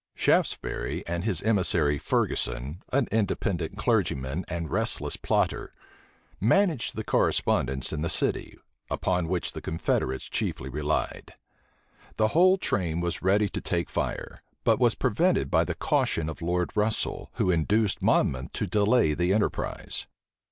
Shaftesbury and his emissary Ferguson, an Independent clergyman and a restless plotter, managed the correspondence in the city, upon which the confederates chiefly relied. The whole train was ready to take fire; but was prevented by the caution of Lord Russel, who induced Monmouth to delay the enterprise.